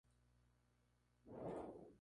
Ella se embaraza, y Enrique la manda a vigilar.